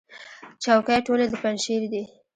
چوکۍ ټولې د پنجشیر دي.